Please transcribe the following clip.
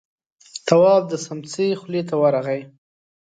تواب د سمڅې خولې ته ورغی.